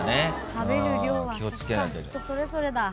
食べる量はそっか人それぞれだ。